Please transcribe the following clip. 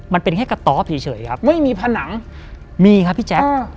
มันเป็นแค่กระต๊อบเฉยครับไม่มีผนังมีครับพี่แจ๊ค